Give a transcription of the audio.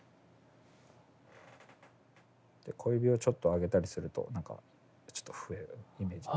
小指をちょっと上げたりすると何かちょっと笛をイメージ。